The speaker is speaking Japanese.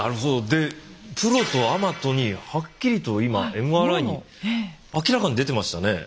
でプロとアマとにはっきりと今ＭＲＩに明らかに出てましたね。